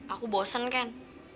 aku bosen ken